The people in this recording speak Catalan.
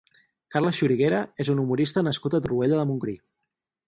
Carles Xuriguera és un humorista nascut a Torroella de Montgrí.